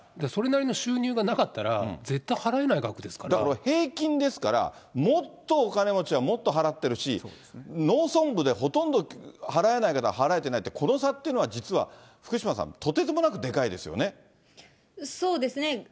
それなりの収入がなかったら、絶だからこれ、平均ですから、もっとお金持ちはもっと払ってるし、農村部でほとんど払えない方は、払えてないって、この差っていうのは実は、福島さん、そうですね。